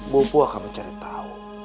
bapak akan mencari tahu